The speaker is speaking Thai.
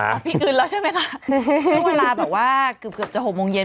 พี่กึ้นแล้วใช่ไหมค่ะเป็นเวลาเบี่ยวเกือบเกือบจะสามโมงเย็น